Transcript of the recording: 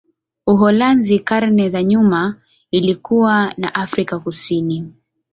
Uholanzi karne za nyuma ilikuwa na Afrika Kusini.